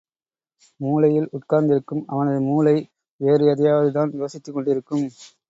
மூலையில் உட்கார்ந்திருக்கும் அவனது மூளை, வேறு எதையாவது தான் யோசித்துக் கொண்டிருக்கும்.